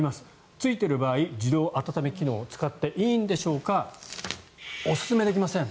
ついている場合、自動温め機能を使っていいんでしょうかおすすめできません。